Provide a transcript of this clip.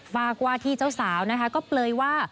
ฝากว่าที่เจ้าสาวนะคะก็เปลยว่า